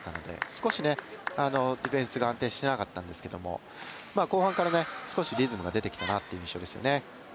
少し、ディフェンスが安定していなかったんですが後半から少しリズムが出てきたなという印象ですね。